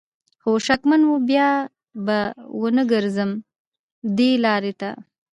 خو شکمن وم بیا به ونه ګرځم دې لار ته